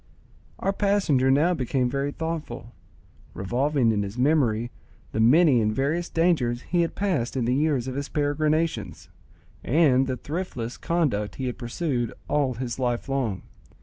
Our passenger now became very thoughtful, revolving in his memory the many and various dangers he had passed in the years of his peregrinations, and the thriftless conduct he had pursued all his life long.